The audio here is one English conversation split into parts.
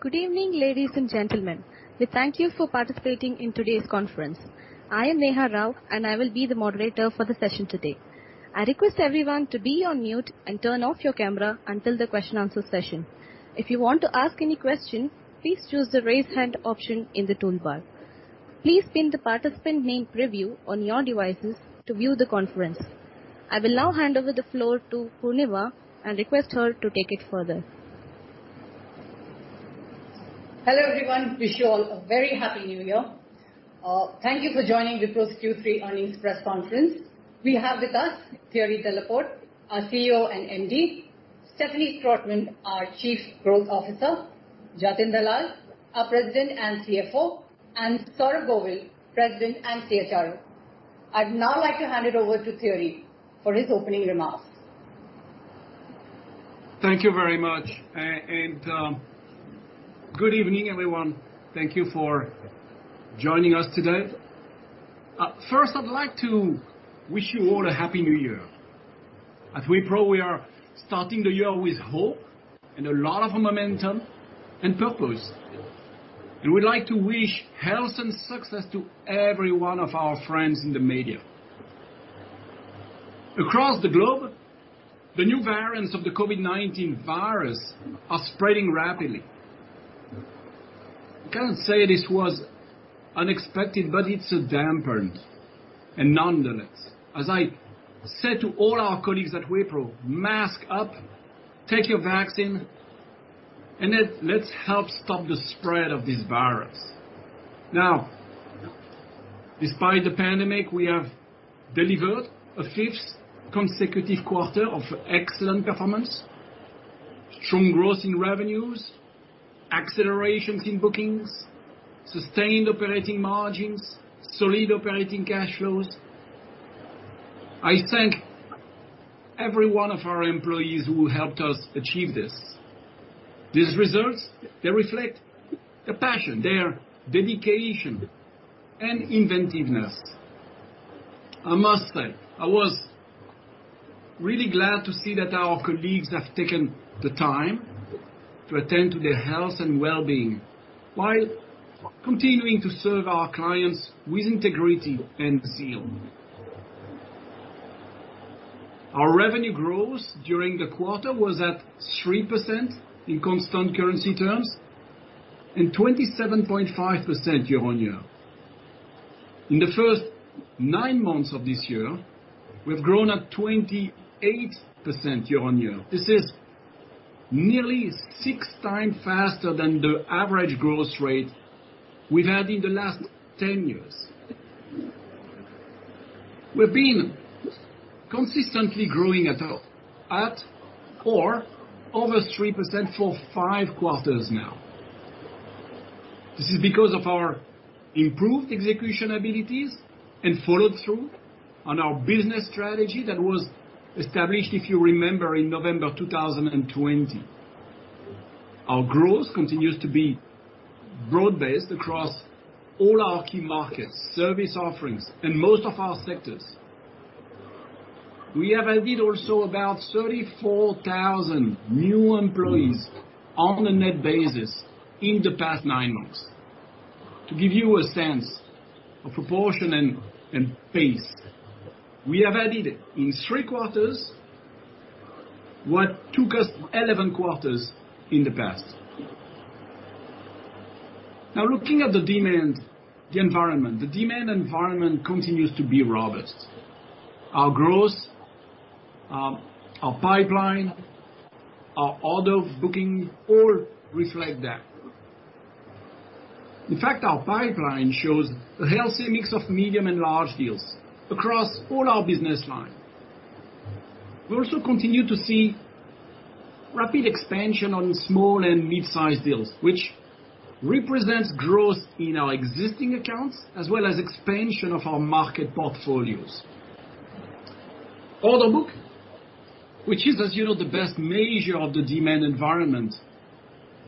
Good evening, ladies and gentlemen. We thank you for participating in today's conference. I am Neha Rao, and I will be the moderator for the session today. I request everyone to be on mute and turn off your camera until the question-answer session. If you want to ask any question, please choose the raise hand option in the toolbar. Please pin the participant name preview on your devices to view the conference. I will now hand over the floor to Purnima and request her to take it further. Hello, everyone. Wish you all a very happy New Year. Thank you for joining Wipro's Q3 earnings press conference. We have with us Thierry Delaporte, our CEO and MD, Stephanie Trautman, our Chief Growth Officer, Jatin Dalal, our President and CFO, and Saurabh Govil, President and CHRO. I'd now like to hand it over to Thierry for his opening remarks. Thank you very much. And good evening, everyone. Thank you for joining us today. First, I'd like to wish you all a happy New Year. At Wipro, we are starting the year with hope and a lot of momentum and purpose. And we'd like to wish health and success to every one of our friends in the media. Across the globe, the new variants of the COVID-19 virus are spreading rapidly. I can't say this was unexpected, but it's a damper. Nonetheless, as I said to all our colleagues at Wipro, mask up, take your vaccine, and let's help stop the spread of this virus. Now, despite the pandemic, we have delivered a fifth consecutive quarter of excellent performance, strong growth in revenues, accelerations in bookings, sustained operating margins, solid operating cash flows. I thank every one of our employees who helped us achieve this. These results, they reflect the passion, their dedication, and inventiveness. I must say, I was really glad to see that our colleagues have taken the time to attend to their health and well-being while continuing to serve our clients with integrity and zeal. Our revenue growth during the quarter was at 3% in constant currency terms and 27.5% year-over-year. In the first nine months of this year, we have grown at 28% year-over-year. This is nearly six times faster than the average growth rate we've had in the last 10 years. We've been consistently growing at or over 3% for five quarters now. This is because of our improved execution abilities and follow-through on our business strategy that was established, if you remember, in November 2020. Our growth continues to be broad-based across all our key markets, service offerings, and most of our sectors. We have added also about 34,000 new employees on a net basis in the past nine months. To give you a sense of proportion and pace, we have added in three quarters what took us 11 quarters in the past. Now, looking at the demand environment, the demand environment continues to be robust. Our growth, our pipeline, our order booking, all reflect that. In fact, our pipeline shows a healthy mix of medium and large deals across all our business lines. We also continue to see rapid expansion on small and mid-sized deals, which represents growth in our existing accounts as well as expansion of our market portfolios. Order book, which is, as you know, the best measure of the demand environment,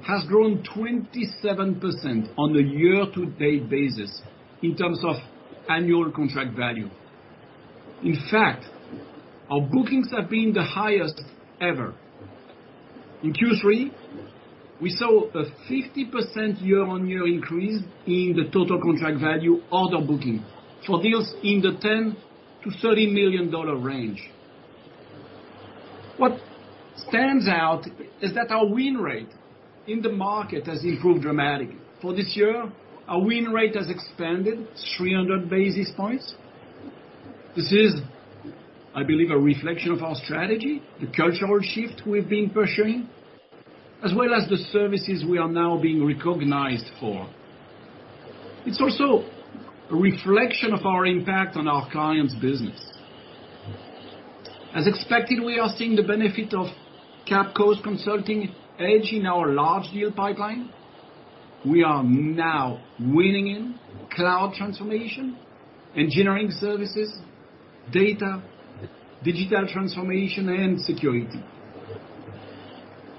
has grown 27% on a year-to-date basis in terms of annual contract value. In fact, our bookings have been the highest ever. In Q3, we saw a 50% year-on-year increase in the total contract value order booking for deals in the $10 million-$30 million range. What stands out is that our win rate in the market has improved dramatically. For this year, our win rate has expanded 300 basis points. This is, I believe, a reflection of our strategy, the cultural shift we've been pursuing, as well as the services we are now being recognized for. It's also a reflection of our impact on our clients' business. As expected, we are seeing the benefit of Capco's consulting edge in our large deal pipeline. We are now winning in cloud transformation, engineering services, data, digital transformation, and security.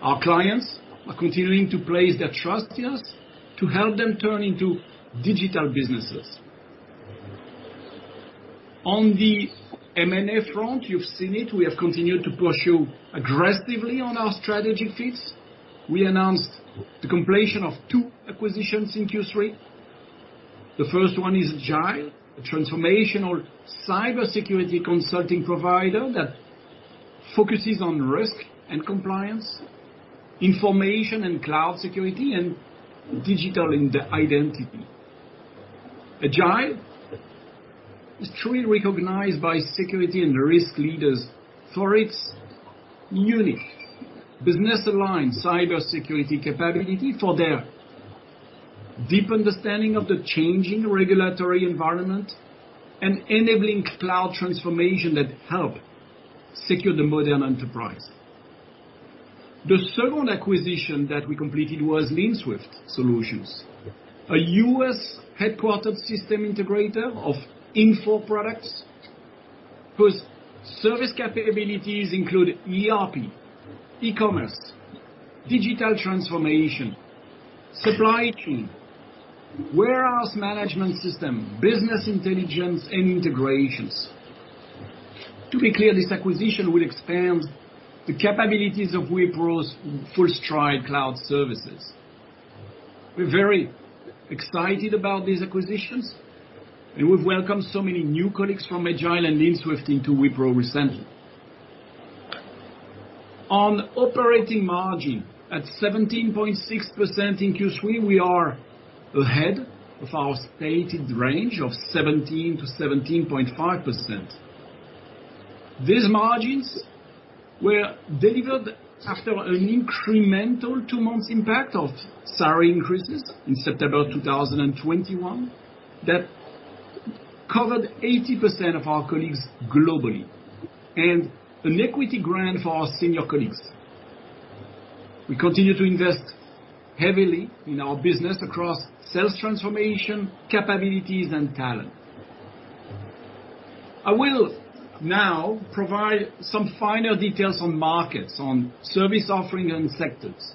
Our clients are continuing to place their trust in us to help them turn into digital businesses. On the M&A front, you've seen it. We have continued to pursue aggressively on our strategy fits. We announced the completion of two acquisitions in Q3. The first one is Edgile, a transformational cybersecurity consulting provider that focuses on risk and compliance, information and cloud security, and digital identity. Edgile is truly recognized by security and risk leaders for its unique business-aligned cybersecurity capability for their deep understanding of the changing regulatory environment and enabling cloud transformation that helps secure the modern enterprise. The second acquisition that we completed was LeanSwift Solutions, a U.S. headquartered system integrator of Infor products whose service capabilities include ERP, e-commerce, digital transformation, supply chain, warehouse management system, business intelligence, and integrations. To be clear, this acquisition will expand the capabilities of Wipro's full-strength cloud services. We're very excited about these acquisitions, and we've welcomed so many new colleagues from Edgile and LeanSwift into Wipro recently. On operating margin, at 17.6% in Q3, we are ahead of our stated range of 17%-17.5%. These margins were delivered after an incremental two-month impact of salary increases in September 2021 that covered 80% of our colleagues globally and an equity grant for our senior colleagues. We continue to invest heavily in our business across sales transformation, capabilities, and talent. I will now provide some finer details on markets, on service offerings, and sectors.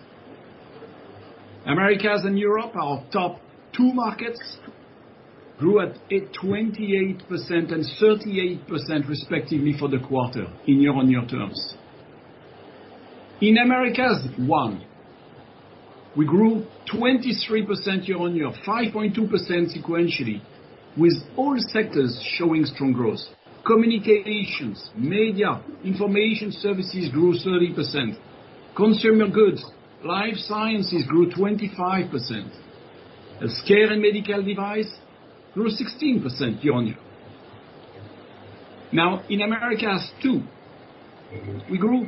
Americas and Europe, our top two markets, grew at 28% and 38% respectively for the quarter in year-on-year terms. In Americas 1, we grew 23% year-on-year, 5.2% sequentially, with all sectors showing strong growth. Communications, media, information services grew 30%. Consumer goods, life sciences grew 25%. Healthcare and medical devices grew 16% year-on-year. Now, in Americas 2, we grew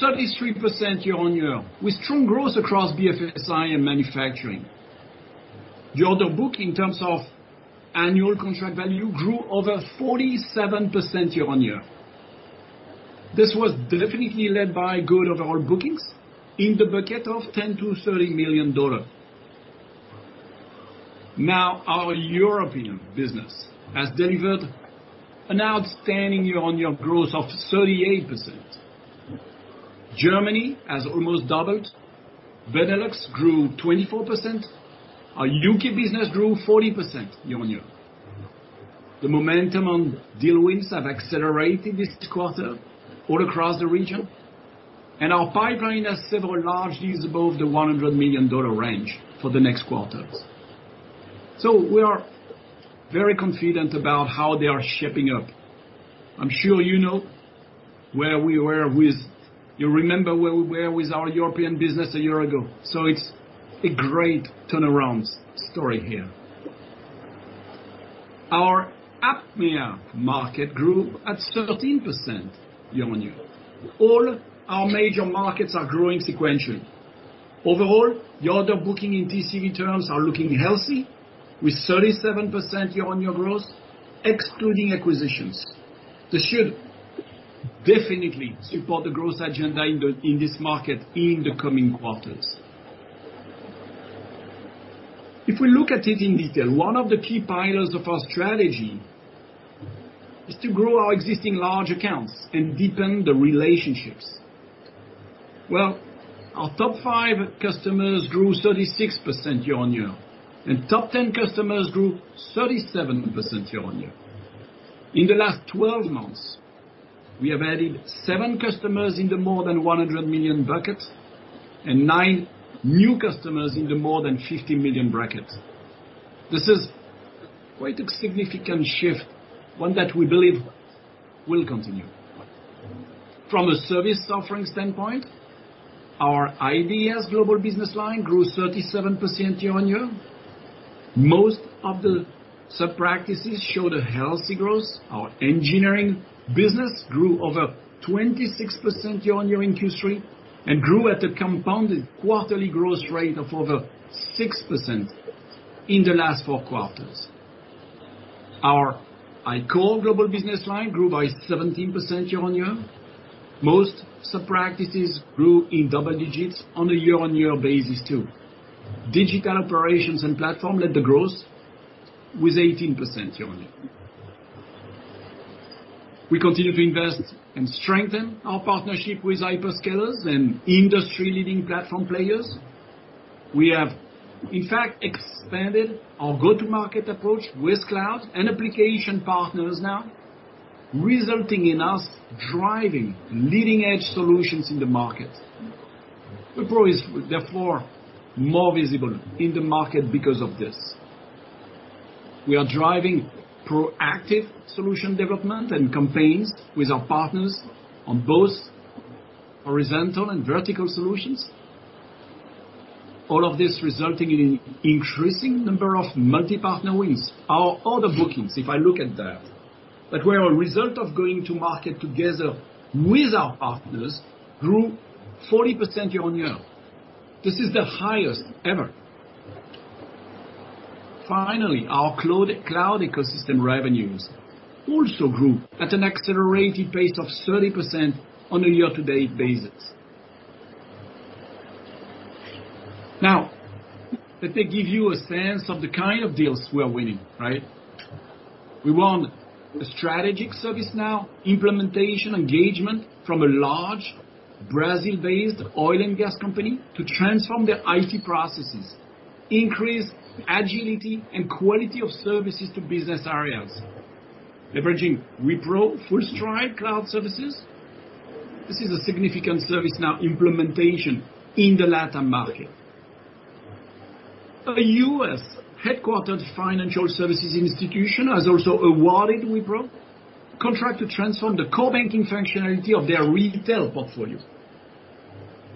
33% year-on-year with strong growth across BFSI and manufacturing. The order book in terms of annual contract value grew over 47% year-on-year. This was definitely led by good overall bookings in the bucket of $10 million-$30 million. Now, our European business has delivered an outstanding year-on-year growth of 38%. Germany has almost doubled. Benelux grew 24%. Our U.K. business grew 40% year-on-year. The momentum on deal wins has accelerated this quarter all across the region, and our pipeline has several large deals above the $100 million range for the next quarters. So we are very confident about how they are shaping up. I'm sure you know. You remember where we were with our European business a year ago. So it's a great turnaround story here. Our APMEA market grew at 13% year-on-year. All our major markets are growing sequentially. Overall, the order booking in TCV terms are looking healthy with 37% year-on-year growth, excluding acquisitions. This should definitely support the growth agenda in this market in the coming quarters. If we look at it in detail, one of the key pillars of our strategy is to grow our existing large accounts and deepen the relationships. Well, our top five customers grew 36% year-on-year, and top 10 customers grew 37% year-on-year. In the last 12 months, we have added seven customers in the more than 100 million bucket and nine new customers in the more than 50 million bracket. This is quite a significant shift, one that we believe will continue. From a service offering standpoint, our iDEAS global business line grew 37% year-on-year. Most of the sub-practices showed a healthy growth. Our engineering business grew over 26% year-on-year in Q3 and grew at a compounded quarterly growth rate of over 6% in the last four quarters. Our iCORE global business line grew by 17% year-on-year. Most sub-practices grew in double digits on a year-on-year basis, too. Digital operations and platform led the growth with 18% year-on-year. We continue to invest and strengthen our partnership with hyperscalers and industry-leading platform players. We have, in fact, expanded our go-to-market approach with cloud and application partners now, resulting in us driving leading-edge solutions in the market. Wipro is therefore more visible in the market because of this. We are driving proactive solution development and campaigns with our partners on both horizontal and vertical solutions, all of this resulting in an increasing number of multi-partner wins. Our order bookings, if I look at that, that were a result of going to market together with our partners, grew 40% year-on-year. This is the highest ever. Finally, our cloud ecosystem revenues also grew at an accelerated pace of 30% on a year-to-date basis. Now, let me give you a sense of the kind of deals we are winning, right? We won a strategic ServiceNow implementation engagement from a large Brazil-based oil and gas company to transform their IT processes, increase agility and quality of services to business areas, leveraging Wipro full-strength cloud services. This is a significant ServiceNow implementation in the Latin market. A U.S. headquartered financial services institution has also awarded Wipro a contract to transform the core banking functionality of their retail portfolio.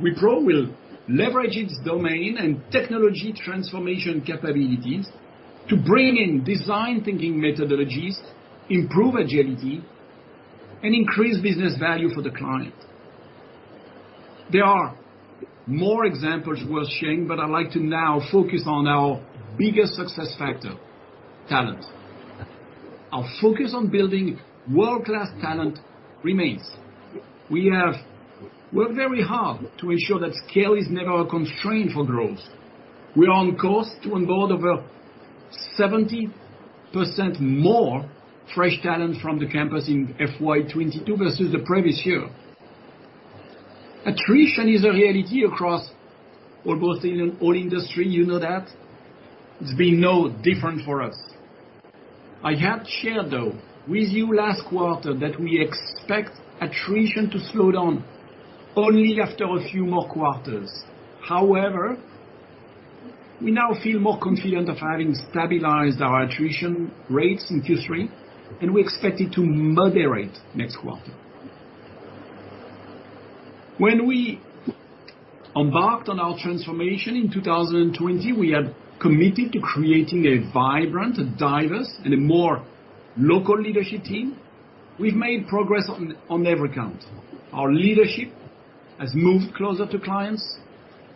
Wipro will leverage its domain and technology transformation capabilities to bring in design thinking methodologies, improve agility, and increase business value for the client. There are more examples worth sharing, but I'd like to now focus on our biggest success factor: talent. Our focus on building world-class talent remains. We have worked very hard to ensure that scale is never a constraint for growth. We are on course to onboard over 70% more fresh talent from the campus in FY 2022 versus the previous year. Attrition is a reality across almost all industry. You know that. It's been no different for us. I had shared, though, with you last quarter that we expect attrition to slow down only after a few more quarters. However, we now feel more confident of having stabilized our attrition rates in Q3, and we expect it to moderate next quarter. When we embarked on our transformation in 2020, we had committed to creating a vibrant, diverse, and a more local leadership team. We've made progress on every count. Our leadership has moved closer to clients.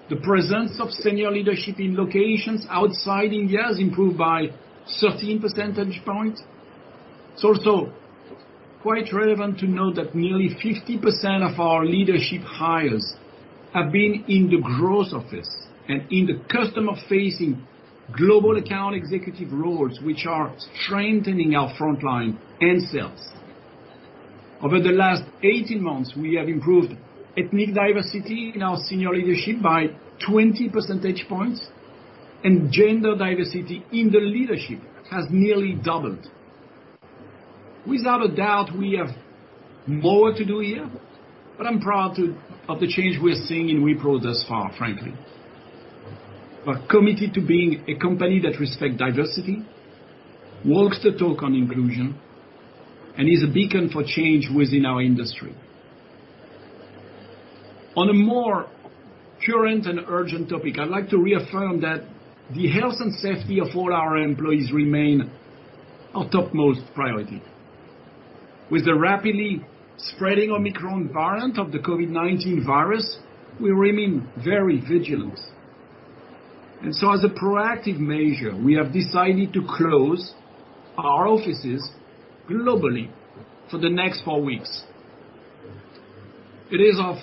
The presence of senior leadership in locations outside India has improved by 13 percentage points. It's also quite relevant to note that nearly 50% of our leadership hires have been in the growth office and in the customer-facing global account executive roles, which are strengthening our frontline and sales. Over the last 18 months, we have improved ethnic diversity in our senior leadership by 20 percentage points, and gender diversity in the leadership has nearly doubled. Without a doubt, we have more to do here, but I'm proud of the change we're seeing in Wipro thus far, frankly. We're committed to being a company that respects diversity, walks the talk on inclusion, and is a beacon for change within our industry. On a more current and urgent topic, I'd like to reaffirm that the health and safety of all our employees remain our topmost priority. With the rapidly spreading Omicron variant of the COVID-19 virus, we remain very vigilant, and so, as a proactive measure, we have decided to close our offices globally for the next four weeks. It is of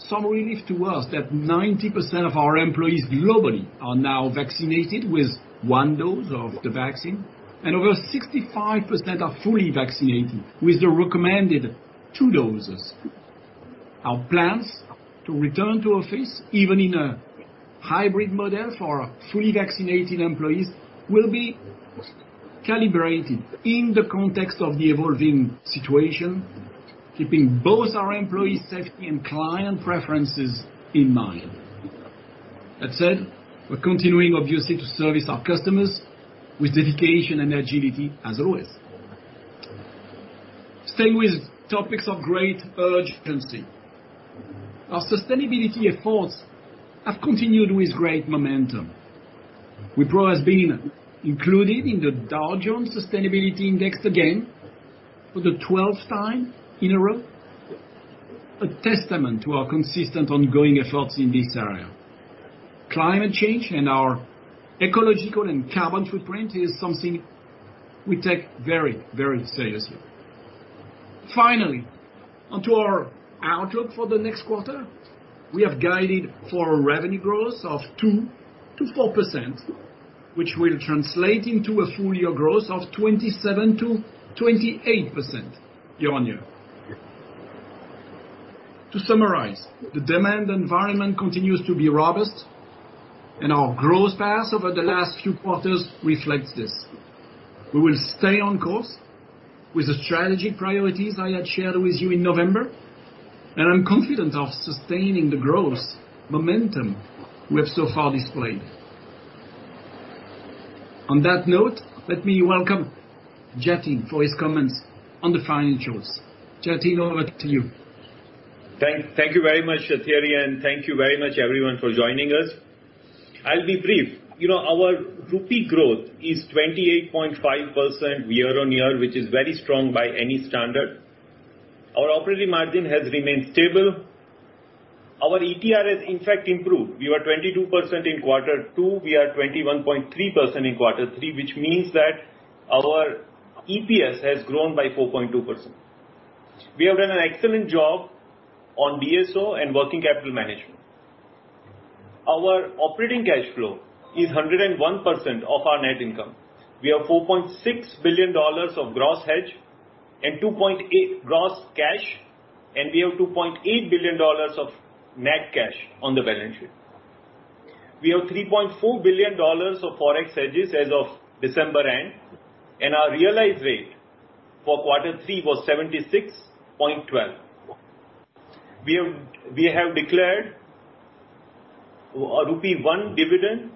some relief to us that 90% of our employees globally are now vaccinated with one dose of the vaccine, and over 65% are fully vaccinated with the recommended two doses. Our plans to return to office, even in a hybrid model for fully vaccinated employees, will be calibrated in the context of the evolving situation, keeping both our employee safety and client preferences in mind. That said, we're continuing, obviously, to service our customers with dedication and agility, as always. Staying with topics of great urgency, our sustainability efforts have continued with great momentum. Wipro has been included in the Dow Jones Sustainability Index again for the 12th time in a row, a testament to our consistent ongoing efforts in this area. Climate change and our ecological and carbon footprint is something we take very, very seriously. Finally, onto our outlook for the next quarter, we have guided for a revenue growth of 2%-4%, which will translate into a full-year growth of 27%-28% year-on-year. To summarize, the demand environment continues to be robust, and our growth path over the last few quarters reflects this. We will stay on course with the strategic priorities I had shared with you in November, and I'm confident of sustaining the growth momentum we have so far displayed. On that note, let me welcome Jatin for his comments on the financials. Jatin, over to you. Thank you very much, Thierry, and thank you very much, everyone, for joining us. I'll be brief. Our group revenue growth is 28.5% year-on-year, which is very strong by any standard. Our operating margin has remained stable. Our ETR has, in fact, improved. We were 22% in quarter two. We are 21.3% in quarter three, which means that our EPS has grown by 4.2%. We have done an excellent job on DSO and working capital management. Our operating cash flow is 101% of our net income. We have $4.6 billion of gross debt and $2.8 billion gross cash, and we have $2.8 billion of net cash on the balance sheet. We have $3.4 billion of forex hedges as of December end, and our realized rate for quarter three was 76.12. We have declared an rupee 1 dividend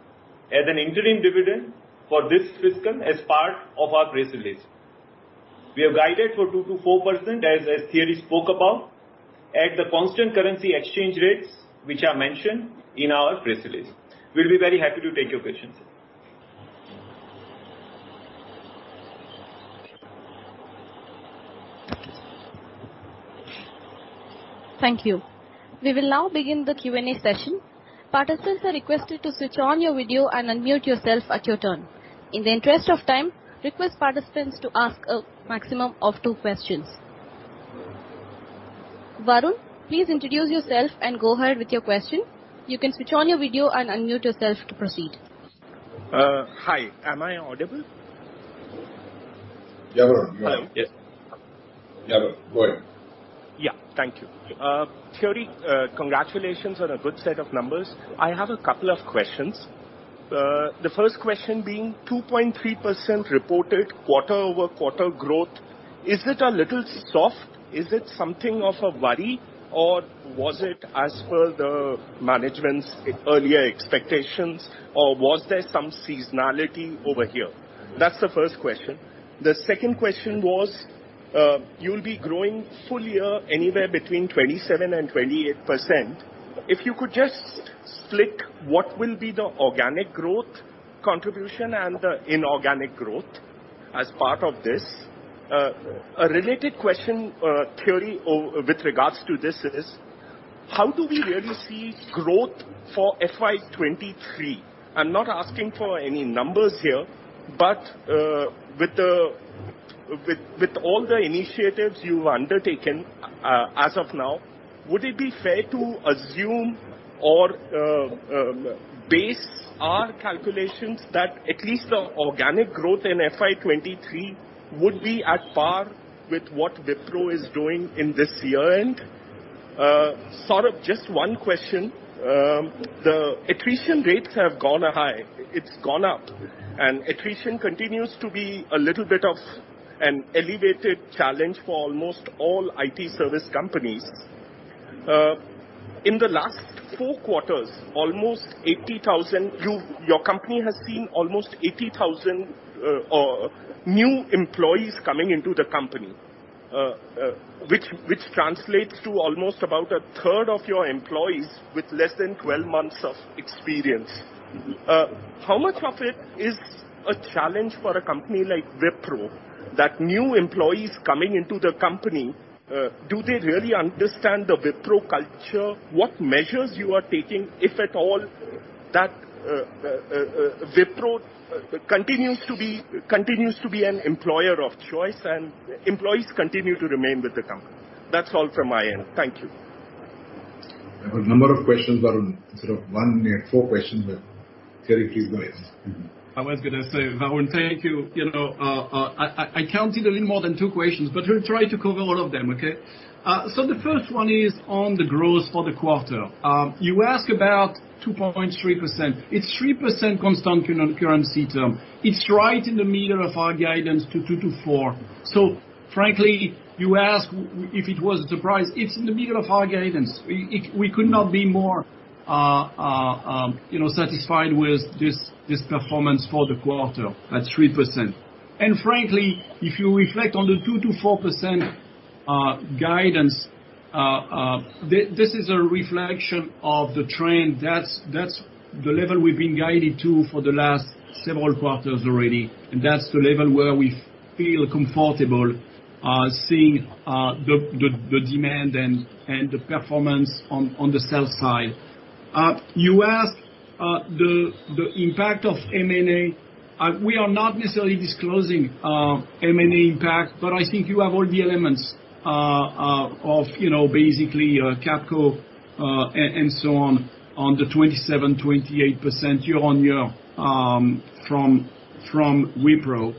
as an interim dividend for this fiscal as part of our press release. We have guided for 2%-4%, as Thierry spoke about, at the constant currency exchange rates which are mentioned in our press release. We'll be very happy to take your questions. Thank you. We will now begin the Q&A session. Participants are requested to switch on your video and unmute yourself at your turn. In the interest of time, request participants to ask a maximum of two questions. Varun, please introduce yourself and go ahead with your question. You can switch on your video and unmute yourself to proceed. Hi. Am I audible? Yeah, Varun. Yes. Yeah, Varun. Go ahead. Yeah. Thank you. Thierry, congratulations on a good set of numbers. I have a couple of questions. The first question being 2.3% reported quarter-over-quarter growth. Is it a little soft? Is it something of a worry, or was it, as per the management's earlier expectations, or was there some seasonality over here? That's the first question. The second question was, you'll be growing full year anywhere between 27%-28%. If you could just split what will be the organic growth contribution and the inorganic growth as part of this. A related question, Thierry, with regards to this is, how do we really see growth for FY 2023? I'm not asking for any numbers here, but with all the initiatives you've undertaken as of now, would it be fair to assume or base our calculations that at least the organic growth in FY 2023 would be at par with what Wipro is doing in this year-end? Saurabh, just one question. The attrition rates have gone high. It's gone up, and attrition continues to be a little bit of an elevated challenge for almost all IT service companies. In the last four quarters, almost 80,000—your company has seen almost 80,000 new employees coming into the company, which translates to almost about a third of your employees with less than 12 months of experience. How much of it is a challenge for a company like Wipro? That new employees coming into the company, do they really understand the Wipro culture? What measures you are taking, if at all, that Wipro continues to be an employer of choice and employees continue to remain with the company? That's all from my end. Thank you. A number of questions, Varun. Sort of one near four questions. Thierry, please go ahead. I was going to say, Varun, thank you. I counted a little more than two questions, but we'll try to cover all of them, okay? So the first one is on the growth for the quarter. You ask about 2.3%. It's 3% constant currency term. It's right in the middle of our guidance to 2%-4%. So frankly, you ask if it was a surprise, it's in the middle of our guidance. We could not be more satisfied with this performance for the quarter at 3%. Frankly, if you reflect on the 2%-4% guidance, this is a reflection of the trend. That's the level we've been guided to for the last several quarters already, and that's the level where we feel comfortable seeing the demand and the performance on the sell side. You asked the impact of M&A. We are not necessarily disclosing M&A impact, but I think you have all the elements of basically Capco and so on on the 27%-28% year-on-year from Wipro.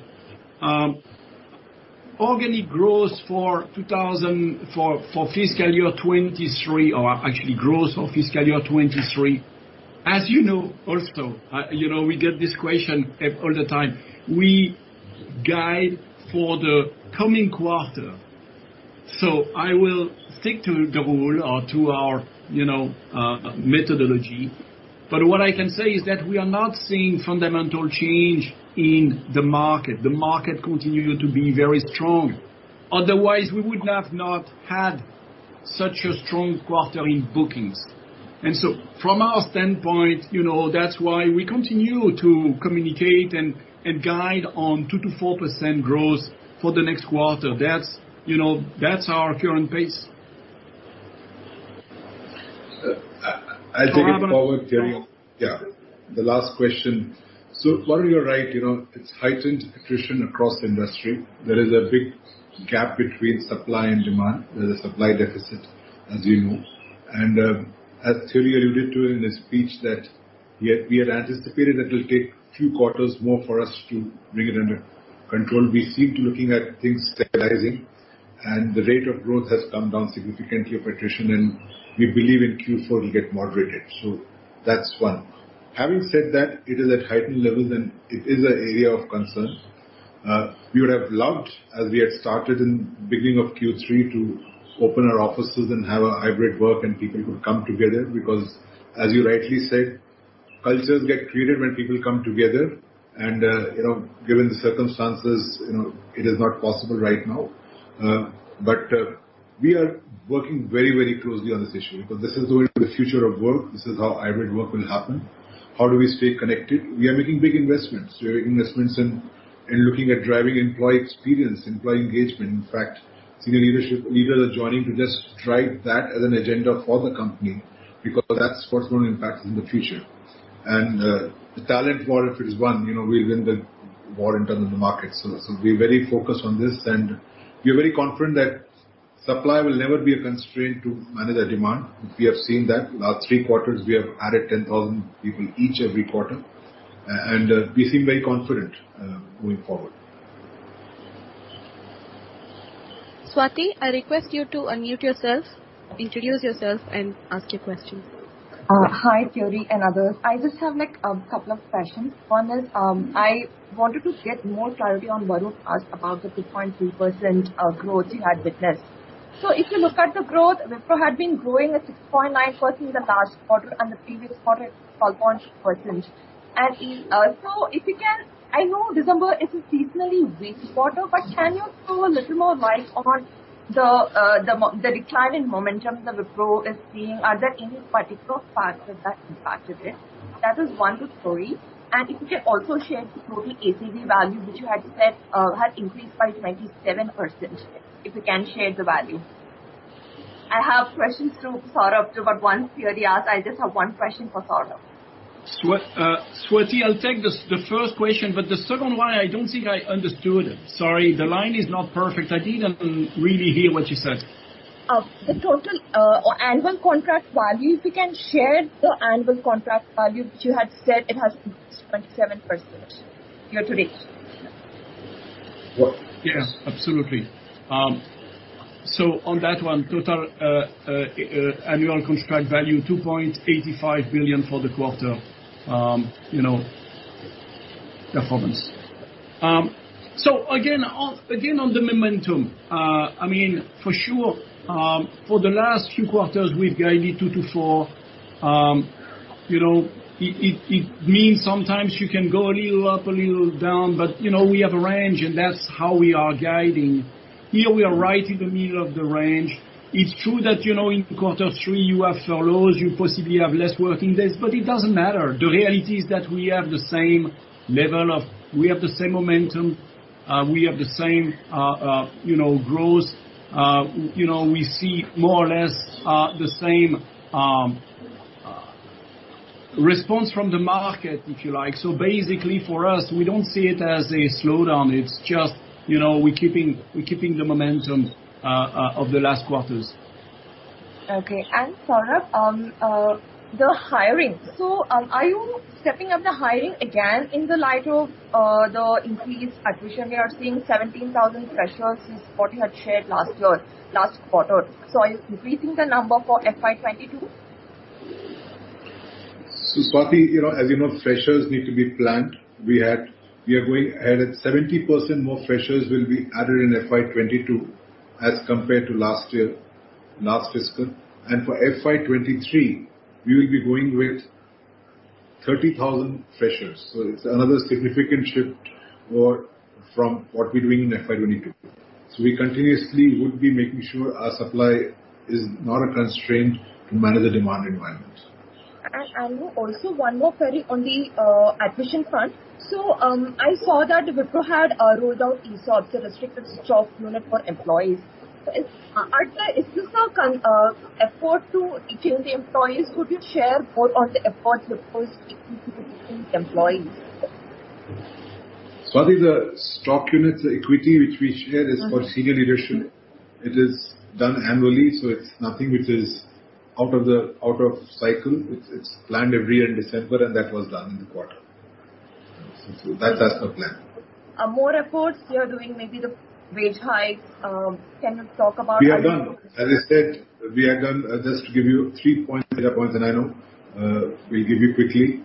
Organic growth for fiscal year 2023, or actually growth for fiscal year 2023. As you know, also, we get this question all the time. We guide for the coming quarter. So I will stick to the rule or to our methodology. But what I can say is that we are not seeing fundamental change in the market. The market continues to be very strong. Otherwise, we would have not had such a strong quarter in bookings. And so from our standpoint, that's why we continue to communicate and guide on 2%-4% growth for the next quarter. That's our current pace. I'll take it forward, Thierry. Yeah. The last question. So Varun, you're right. It's heightened attrition across industry. There is a big gap between supply and demand. There's a supply deficit, as you know. And as Thierry alluded to in his speech, that we had anticipated that it'll take a few quarters more for us to bring it under control. We seem to be looking at things stabilizing, and the rate of growth has come down significantly of attrition, and we believe in Q4 it'll get moderated. So that's one. Having said that, it is at heightened levels, and it is an area of concern. We would have loved, as we had started in the beginning of Q3, to open our offices and have our hybrid work, and people could come together because, as you rightly said, cultures get created when people come together, and given the circumstances, it is not possible right now, but we are working very, very closely on this issue because this is going to be the future of work. This is how hybrid work will happen. How do we stay connected? We are making big investments. We are making investments and looking at driving employee experience, employee engagement. In fact, senior leaders are joining to just drive that as an agenda for the company because that's what's going to impact us in the future, and the talent war, if it's won, we'll win the war in terms of the market. So we're very focused on this, and we are very confident that supply will never be a constraint to manage our demand. We have seen that. Last three quarters, we have added 10,000 people each every quarter, and we seem very confident going forward. Swati, I request you to unmute yourself, introduce yourself, and ask your questions. Hi, Thierry and others. I just have a couple of questions. One is, I wanted to get more clarity on Varun asked about the 2.3% growth he had witnessed. So if you look at the growth, Wipro had been growing at 6.9% in the last quarter, and the previous quarter it was 12.2%. And also, if you can, I know December is a seasonally weak quarter, but can you throw a little more light on the decline in momentum that Wipro is seeing? Are there any particular factors that impacted it? That is one good story. And if you can also share the total ACV value, which you had said had increased by 27%. If you can share the value. I have questions to Saurabh too, but once Thierry asked, I just have one question for Saurabh. Swati, I'll take the first question, but the second one, I don't think I understood it. Sorry, the line is not perfect. I didn't really hear what you said. The total annual contract value, if you can share the annual contract value, which you had said it has increased 27% year-to-date. Yeah, absolutely. So on that one, total annual contract value, $2.85 billion for the quarter performance. So again, on the momentum, I mean, for sure, for the last few quarters, we've guided 2%-4%. It means sometimes you can go a little up, a little down, but we have a range, and that's how we are guiding. Here, we are right in the middle of the range. It's true that in quarter three, you have furloughs, you possibly have less working days, but it doesn't matter. The reality is that we have the same level of momentum, we have the same growth. We see more or less the same response from the market, if you like. So basically, for us, we don't see it as a slowdown. It's just we're keeping the momentum of the last quarters. Okay. And Saurabh, the hiring. So are you stepping up the hiring again in the light of the increased attrition we are seeing? 17,000 freshers is what you had shared last quarter. So are you increasing the number for FY 2022? Swati, as you know, freshers need to be planned. We are going ahead at 70% more freshers will be added in FY 2022 as compared to last year, last fiscal. For FY 2023, we will be going with 30,000 freshers. It's another significant shift from what we're doing in FY 2022. We continuously would be making sure our supply is not a constraint to manage the demand environment. Also one more, Thierry, on the attrition front. I saw that Wipro had rolled out ESOP, the restricted stock unit for employees. Is this an effort to change the employees? Could you share more on the effort Wipro is taking to keep these employees? Swati, the stock unit equity which we shared is for senior leadership. It is done annually, so it's nothing which is out of cycle. It's planned every year in December, and that was done in the quarter. That's the plan. More efforts you're doing, maybe the wage hikes? Can you talk about that? We have done. As I said, we have done just to give you three points, and I know we'll give you quickly.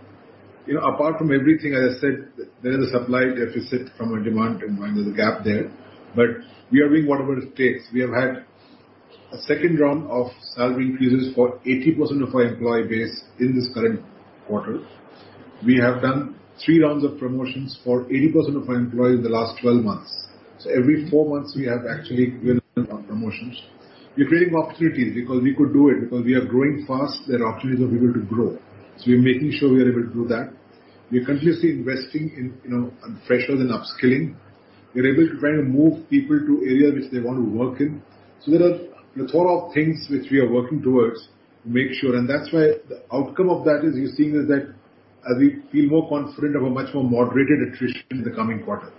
Apart from everything, as I said, there is a supply deficit from our demand and there's a gap there. But we are doing whatever it takes. We have had a second round of salary increases for 80% of our employee base in this current quarter. We have done three rounds of promotions for 80% of our employees in the last 12 months. So every four months, we have actually given out promotions. We're creating opportunities because we could do it because we are growing fast. There are opportunities of people to grow. So we're making sure we are able to do that. We're continuously investing in freshers and upskilling. We're able to try and move people to areas which they want to work in. So there are a lot of things which we are working towards to make sure. And that's why the outcome of that is you're seeing is that as we feel more confident of a much more moderated attrition in the coming quarter.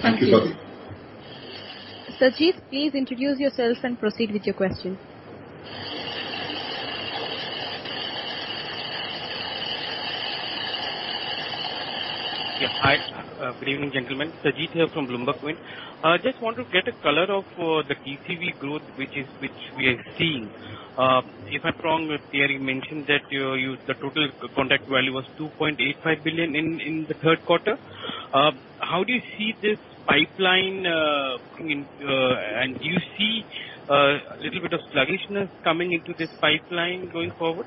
Thank you, Swati. Sajeev, please introduce yourself and proceed with your question. Yeah. Hi. Good evening, gentlemen. Sajeev here from BloombergQuint. Just want to get a color of the TCV growth which we are seeing. If I'm wrong, Thierry mentioned that the total contract value was $2.85 billion in the third quarter. How do you see this pipeline? And do you see a little bit of sluggishness coming into this pipeline going forward?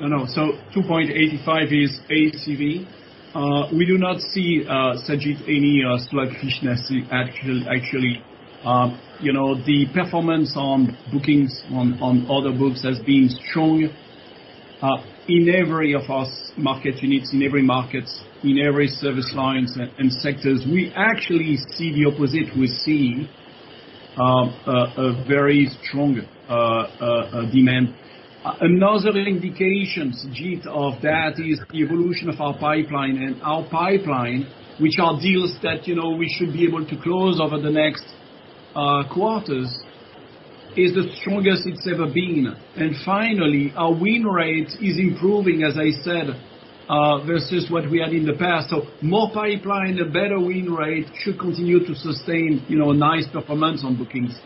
No. 2.85 is ACV. We do not see, Sajeev, any sluggishness, actually. The performance on bookings, on order books, has been strong in every of our market units, in every market, in every service lines and sectors. We actually see the opposite. We're seeing a very strong demand. Another indication, Sajeev, of that is the evolution of our pipeline. Our pipeline, which are deals that we should be able to close over the next quarters, is the strongest it's ever been. Finally, our win rate is improving, as I said, versus what we had in the past. More pipeline, a better win rate should continue to sustain nice performance on bookings.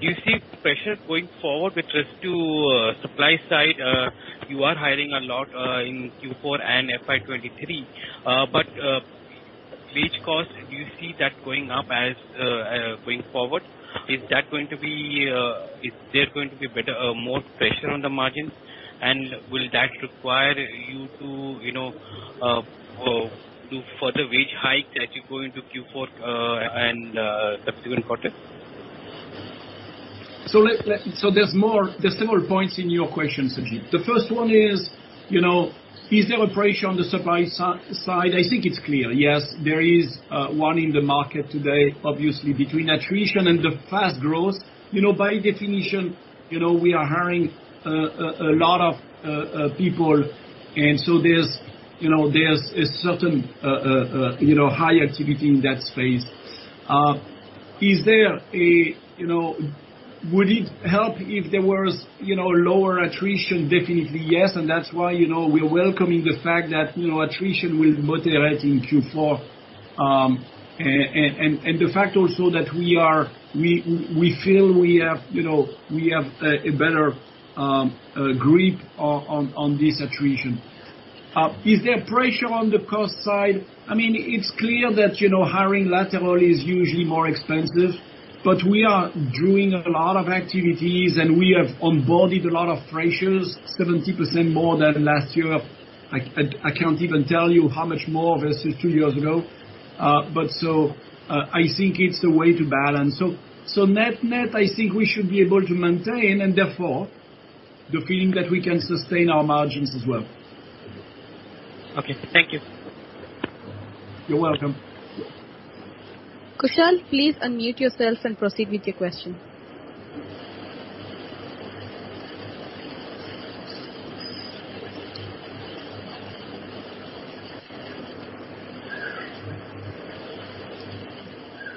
Do you see pressure going forward with respect to supply side? You are hiring a lot in Q4 and FY 2023. But wage cost, do you see that going up as going forward? Is there going to be more pressure on the margins? And will that require you to do further wage hikes as you go into Q4 and subsequent quarters? So there's several points in your question, Sajeev. The first one is, is there a pressure on the supply side? I think it's clear. Yes, there is one in the market today, obviously, between attrition and the fast growth. By definition, we are hiring a lot of people. And so there's a certain high activity in that space. Would it help if there was lower attrition? Definitely, yes. And that's why we're welcoming the fact that attrition will moderate in Q4. And the fact also that we feel we have a better grip on this attrition. Is there pressure on the cost side? I mean, it's clear that hiring lateral is usually more expensive. But we are doing a lot of activities, and we have onboarded a lot of freshers, 70% more than last year. I can't even tell you how much more versus two years ago. But so I think it's a way to balance. So net, net, I think we should be able to maintain, and therefore, the feeling that we can sustain our margins as well. Okay. Thank you. You're welcome. Kushal, please unmute yourself and proceed with your question.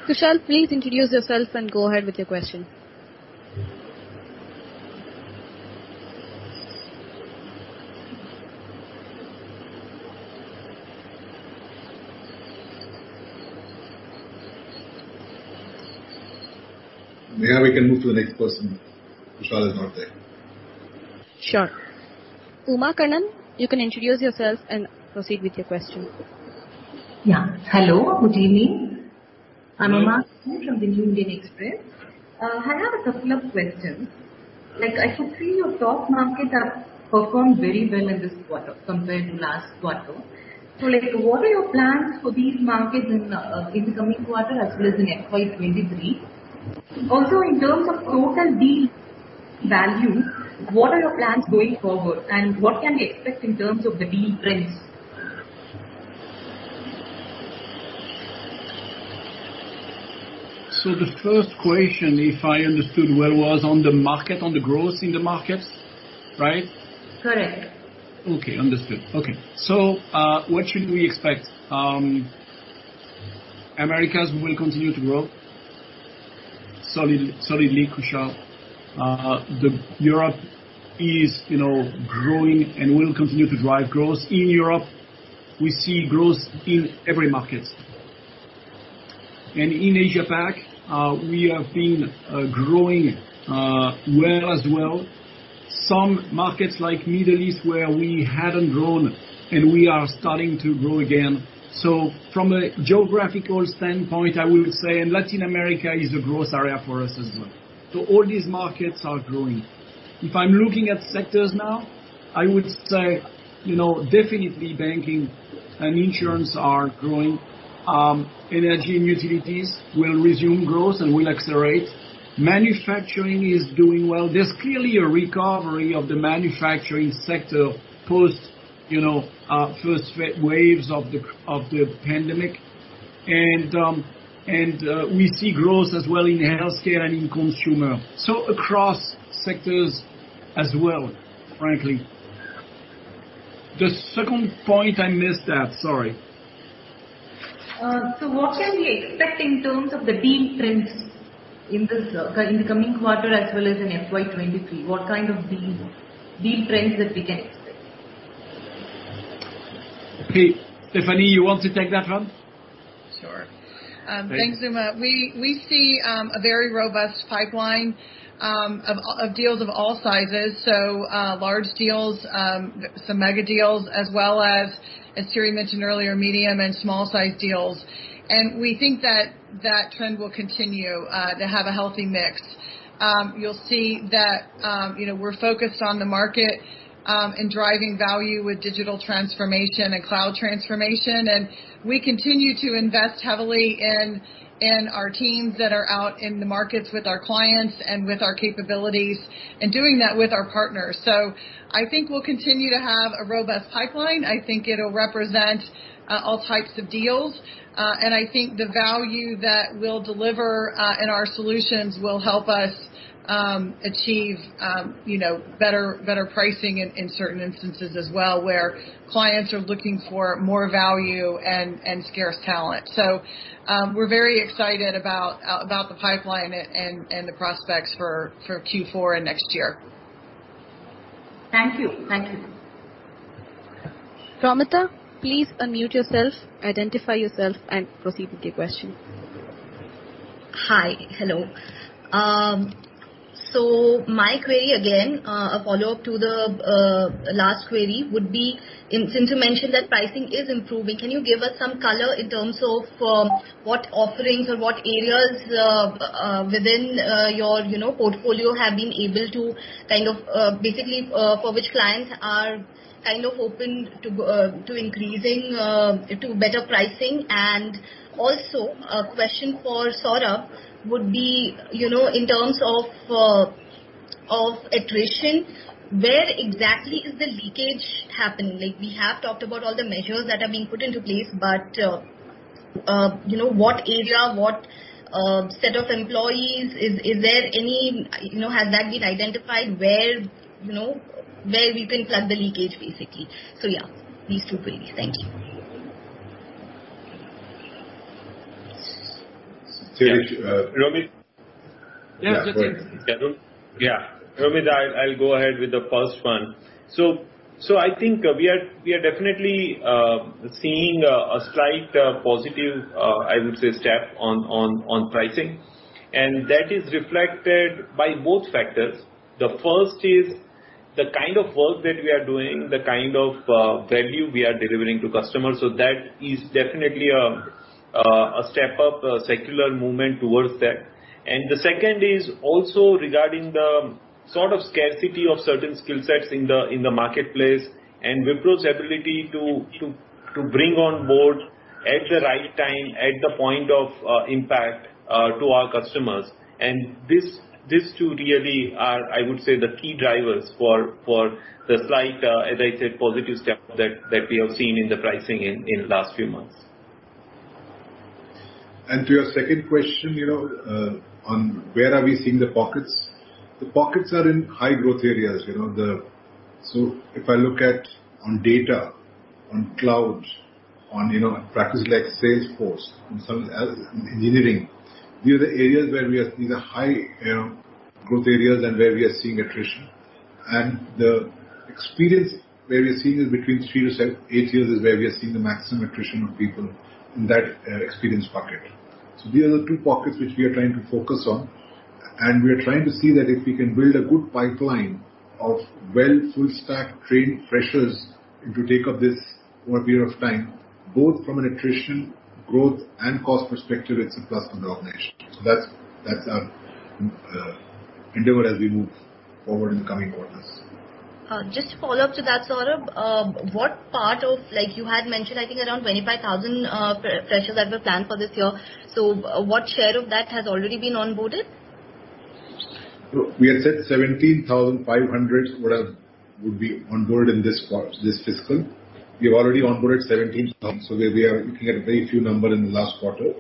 Kushal, please introduce yourself and go ahead with your question. May I? We can move to the next person. Kushal is not there. Sure. Uma Kannan, you can introduce yourself and proceed with your question. Yeah. Hello. Good evening. I'm Uma Kannan from The New Indian Express. I have a couple of questions. I could see your top markets have performed very well in this quarter compared to last quarter. So what are your plans for these markets in the coming quarter as well as in FY 2023? Also, in terms of total deal value, what are your plans going forward? And what can we expect in terms of the deal price? So the first question, if I understood well, was on the market, on the growth in the markets, right? Correct. Okay. Understood. Okay. So what should we expect? America will continue to grow solidly, Kushal. Europe is growing and will continue to drive growth. In Europe, we see growth in every market. And in Asia-Pac, we have been growing well as well. Some markets like the Middle East where we hadn't grown, and we are starting to grow again. So from a geographical standpoint, I would say, and Latin America is a growth area for us as well. So all these markets are growing. If I'm looking at sectors now, I would say definitely banking and insurance are growing. Energy and utilities will resume growth and will accelerate. Manufacturing is doing well. There's clearly a recovery of the manufacturing sector post-first waves of the pandemic. And we see growth as well in healthcare and in consumer. So across sectors as well, frankly. The second point, I missed that. Sorry. So what can we expect in terms of the deal wins in the coming quarter as well as in FY 2023? What kind of deal wins that we can expect? Okay. Stephanie, you want to take that one? Sure. Thanks, Uma. We see a very robust pipeline of deals of all sizes. So large deals, some mega deals, as well as, as Thierry mentioned earlier, medium and small-sized deals. And we think that that trend will continue to have a healthy mix. You'll see that we're focused on the market and driving value with digital transformation and cloud transformation. And we continue to invest heavily in our teams that are out in the markets with our clients and with our capabilities and doing that with our partners. So I think we'll continue to have a robust pipeline. I think it'll represent all types of deals. And I think the value that we'll deliver in our solutions will help us achieve better pricing in certain instances as well where clients are looking for more value and scarce talent. So we're very excited about the pipeline and the prospects for Q4 and next year. Thank you. Thank you. Pramatha, please unmute yourself, identify yourself, and proceed with your question. Hi. Hello. My query again, a follow-up to the last query, would be since you mentioned that pricing is improving, can you give us some color in terms of what offerings or what areas within your portfolio have been able to kind of basically for which clients are kind of open to increasing to better pricing? And also, a question for Saurabh would be in terms of attrition, where exactly is the leakage happening? We have talked about all the measures that are being put into place, but what area, what set of employees? Is there any has that been identified where we can plug the leakage, basically? So yeah, these two queries. Thank you. Romit? Yeah. That's it. Yeah. Romit, I'll go ahead with the first one. So I think we are definitely seeing a slight positive, I would say, step on pricing. And that is reflected by both factors. The first is the kind of work that we are doing, the kind of value we are delivering to customers. So that is definitely a step up, a secular movement towards that. And the second is also regarding the sort of scarcity of certain skill sets in the marketplace and Wipro's ability to bring on board at the right time, at the point of impact to our customers. And these two really are, I would say, the key drivers for the slight, as I said, positive step that we have seen in the pricing in the last few months. And to your second question on where are we seeing the pockets, the pockets are in high-growth areas. So if I look at on data, on cloud, on practices like Salesforce, engineering, these are the areas where we have these high-growth areas and where we are seeing attrition. The experience where we are seeing is between three to eight years is where we are seeing the maximum attrition of people in that experience pocket. So these are the two pockets which we are trying to focus on. And we are trying to see that if we can build a good pipeline of well-full-stacked trained freshers to take up this period of time, both from an attrition growth and cost perspective, it's a plus for the organization. So that's our endeavor as we move forward in the coming quarters. Just to follow up to that, Saurabh, what part of you had mentioned, I think, around 25,000 freshers that were planned for this year. So what share of that has already been onboarded? We had said 17,500 would be onboarded in this fiscal. We have already onboarded 17,000. So we are looking at a very few numbers in the last quarter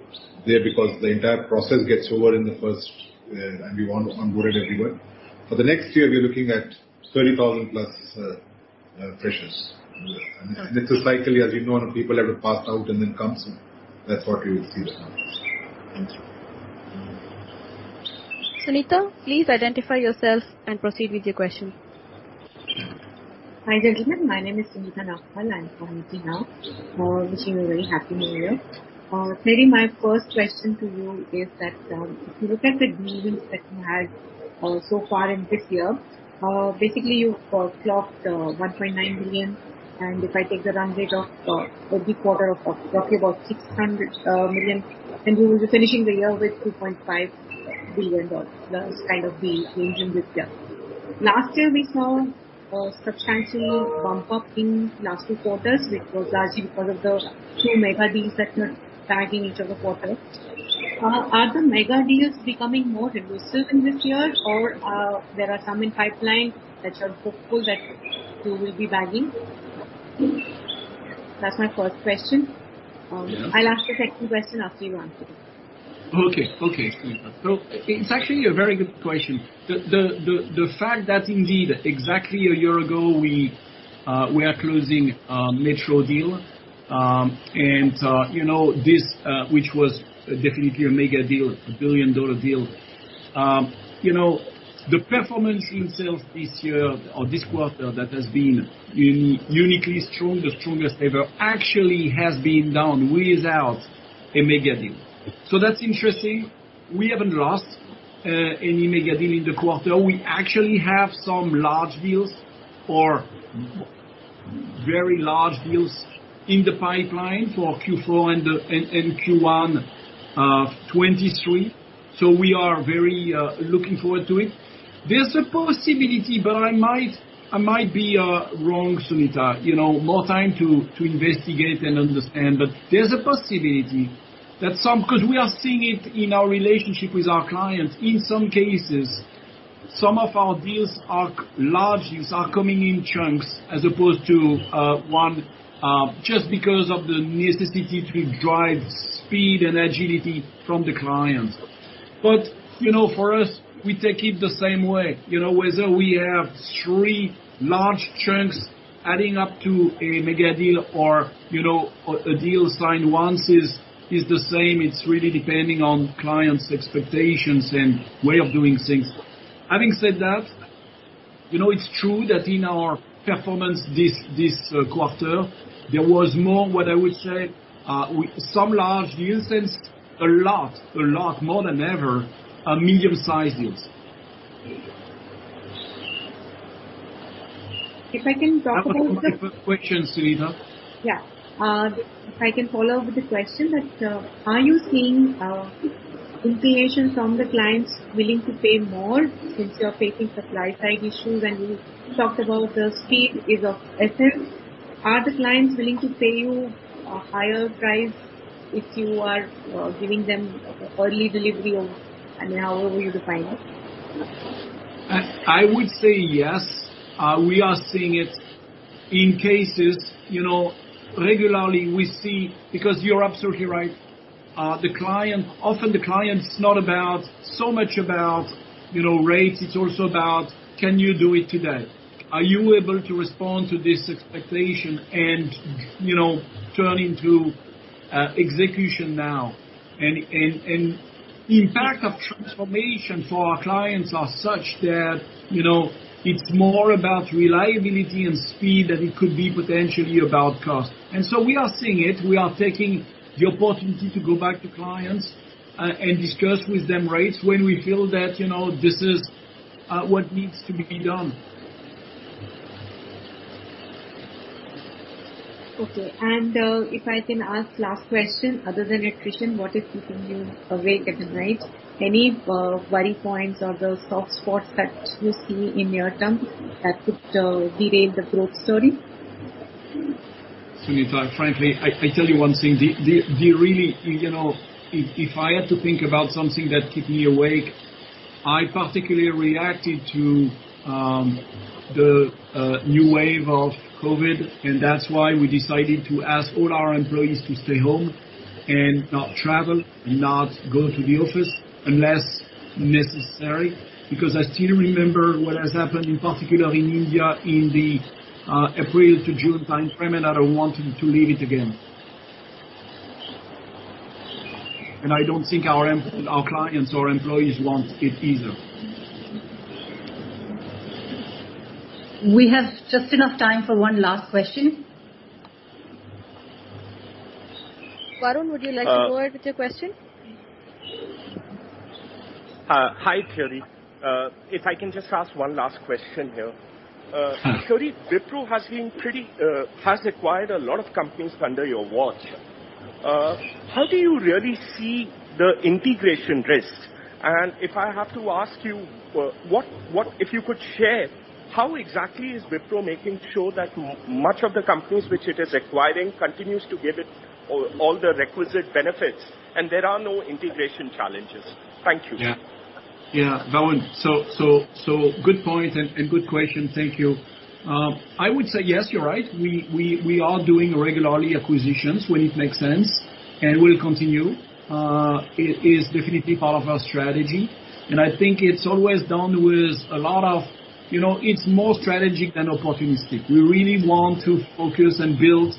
there because the entire process gets over in the first, and we want to onboard everyone. For the next year, we are looking at 30,000+ freshers. And it's a cycle, as you know, people have to pass out and then come through. That's what we will see the numbers. Thank you. Sunita, please identify yourself and proceed with your question. Hi, gentlemen. My name is Sunita Nappal. I'm from Informist Media. Wish you a very happy new year. Maybe my first question to you is that if you look at the deals that you had so far in this year, basically, you've clocked $1.9 billion. And if I take the run rate of every quarter, roughly about $600 million. And we will be finishing the year with $2.5 billion. That's kind of the guidance this year. Last year, we saw a substantial bump up in last two quarters, which was largely because of the two mega deals that were bagging each other quarter. Are the mega deals becoming more elusive in this year, or there are some in pipeline that you are hopeful that you will be bagging? That's my first question. I'll ask the second question after you answer it. Okay. Okay. So it's actually a very good question. The fact that indeed, exactly a year ago, we are closing Metro deal. And this, which was definitely a mega deal, a $1 billion deal, the performance in itself this year or this quarter that has been uniquely strong, the strongest ever, actually has been done without a mega deal. So that's interesting. We haven't lost any mega deal in the quarter. We actually have some large deals or very large deals in the pipeline for Q4 and Q1 2023. So we are very looking forward to it. There's a possibility, but I might be wrong, Sunita, more time to investigate and understand. But there's a possibility that some because we are seeing it in our relationship with our clients. In some cases, some of our large deals are coming in chunks as opposed to one just because of the necessity to drive speed and agility from the client. But for us, we take it the same way. Whether we have three large chunks adding up to a mega deal or a deal signed once is the same. It's really depending on clients' expectations and way of doing things. Having said that, it's true that in our performance this quarter, there was more, what I would say, some large deals and a lot more than ever, medium-sized deals. If I can go ahead with the question, Sunita. Yeah. If I can follow up with the question, are you seeing inclinations from the clients willing to pay more since you're facing supply-side issues? And you talked about the speed is of essence. Are the clients willing to pay you a higher price if you are giving them early delivery or however you define it? I would say yes. We are seeing it in cases. Regularly, we see because you're absolutely right. Often, the client's not so much about rates. It's also about, can you do it today? Are you able to respond to this expectation and turn into execution now? The impact of transformation for our clients are such that it's more about reliability and speed than it could be potentially about cost. So we are seeing it. We are taking the opportunity to go back to clients and discuss with them rates when we feel that this is what needs to be done. Okay. If I can ask last question, other than attrition, what is keeping you awake at night? Any worry points or the soft spots that you see in the near term that could derail the growth story? Sunita, frankly, I tell you one thing. If I had to think about something that keeps me awake, I particularly reacted to the new wave of COVID. And that's why we decided to ask all our employees to stay home and not travel and not go to the office unless necessary because I still remember what has happened, in particular in India, in the April to June timeframe, and I don't want them to leave it again. And I don't think our clients or employees want it either. We have just enough time for one last question. Varun, would you like to go ahead with your question? Hi, Thierry. If I can just ask one last question here. Thierry, Wipro has acquired a lot of companies under your watch. How do you really see the integration risk? And if I have to ask you, if you could share, how exactly is Wipro making sure that much of the companies which it is acquiring continues to give it all the requisite benefits and there are no integration challenges? Thank you. Yeah. Yeah. Varun, so good point and good question. Thank you. I would say yes, you're right. We are doing regularly acquisitions when it makes sense and will continue. It is definitely part of our strategy. I think it's always done with a lot of it's more strategic than opportunistic. We really want to focus and build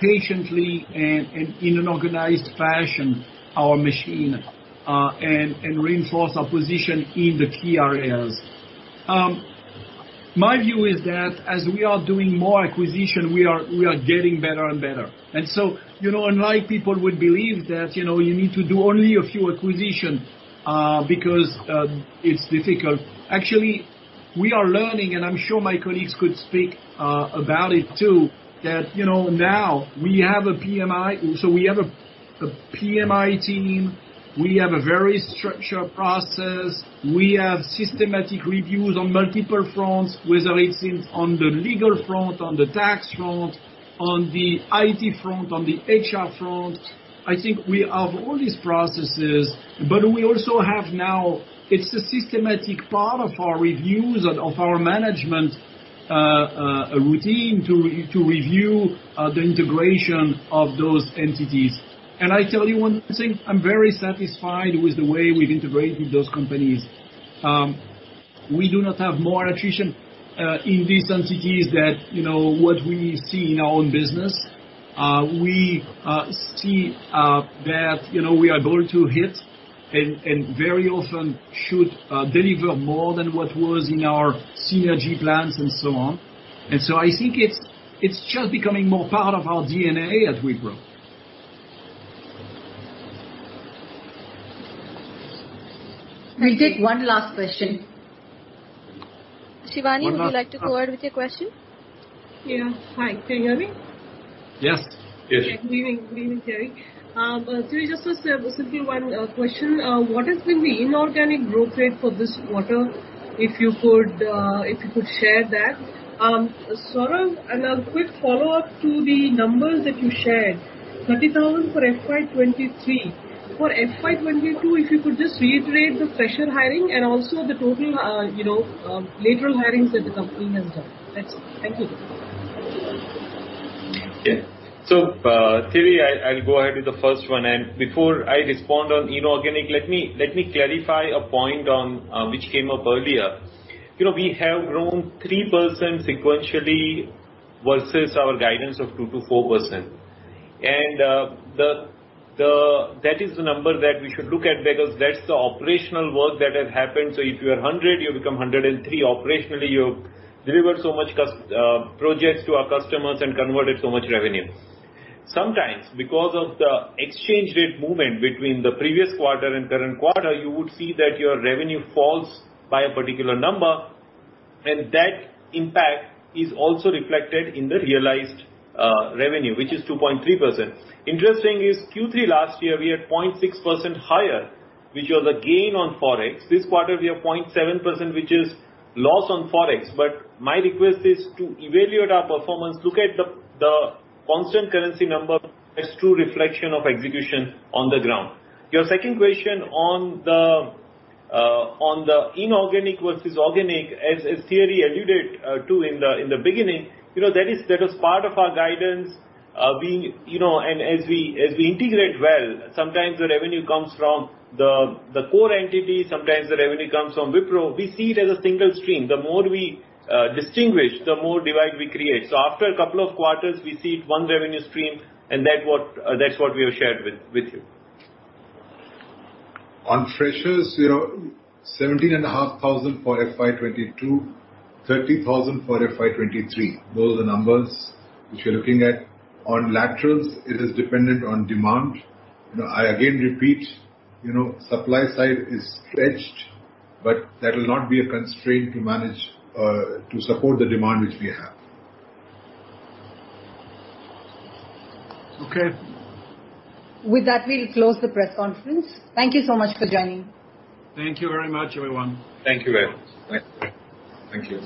patiently and in an organized fashion our machine and reinforce our position in the key areas. My view is that as we are doing more acquisition, we are getting better and better. Unlike people would believe that you need to do only a few acquisitions because it's difficult. Actually, we are learning, and I'm sure my colleagues could speak about it too, that now we have a PMI. So we have a PMI team. We have a very structured process. We have systematic reviews on multiple fronts, whether it's on the legal front, on the tax front, on the IT front, on the HR front. I think we have all these processes, but we also have now it's a systematic part of our reviews of our management routine to review the integration of those entities, and I tell you one thing, I'm very satisfied with the way we've integrated those companies. We do not have more attrition in these entities than what we see in our own business. We see that we are going to hit and very often should deliver more than what was in our synergy plans and so on, and so I think it's just becoming more part of our DNA at Wipro. We did one last question. Shivani, would you like to go ahead with your question? Yeah. Hi. Can you hear me? Yes. Yes. Good evening, Thierry. Thierry, just a simple one question. What has been the inorganic growth rate for this quarter? If you could share that. Saurabh, and a quick follow-up to the numbers that you shared, 30,000 for FY 2023. For FY 2022, if you could just reiterate the fresher hiring and also the total lateral hirings that the company has done. Thank you. Yeah. So Thierry, I'll go ahead with the first one. And before I respond on inorganic, let me clarify a point which came up earlier. We have grown 3% sequentially versus our guidance of 2%-4%. And that is the number that we should look at because that's the operational work that has happened. So if you are 100, you become 103. Operationally, you deliver so many projects to our customers and converted so much revenue. Sometimes, because of the exchange rate movement between the previous quarter and current quarter, you would see that your revenue falls by a particular number. And that impact is also reflected in the realized revenue, which is 2.3%. Interesting is Q3 last year, we had 0.6% higher, which was a gain on Forex. This quarter, we have 0.7%, which is loss on Forex. But my request is to evaluate our performance, look at the constant currency number as true reflection of execution on the ground. Your second question on the inorganic versus organic, as Thierry alluded to in the beginning, that was part of our guidance. And as we integrate well, sometimes the revenue comes from the core entity. Sometimes the revenue comes from Wipro. We see it as a single stream. The more we distinguish, the more divide we create. So after a couple of quarters, we see one revenue stream, and that's what we have shared with you. On freshers, 17,500 for FY 2022, 30,000 for FY 2023. Those are the numbers which you're looking at. On laterals, it is dependent on demand. I again repeat, supply side is stretched, but that will not be a constraint to support the demand which we have. Okay. With that, we'll close the press conference. Thank you so much for joining. Thank you very much, everyone. Thank you very much. Thank you. Thank you.